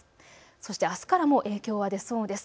そして、あすからもう影響は出そうです。